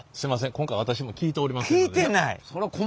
今回私も聞いておりませんので。